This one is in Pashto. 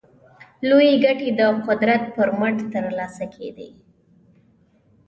لویې ګټې د قدرت پر مټ ترلاسه کېدې.